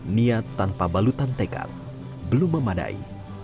niat tanpa balutan tekad belum memadai